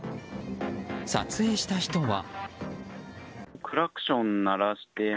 撮影した人は。